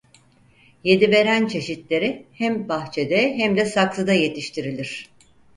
Yediveren çeşitleri hem bahçede hem de saksıda yetiştirilir.